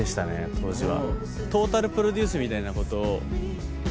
当時は。